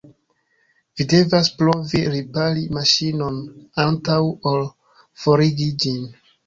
Vi devas provi ripari maŝinon antaŭ ol forigi ĝin.